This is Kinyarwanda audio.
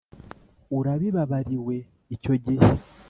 urabibabariwe Icyo gihe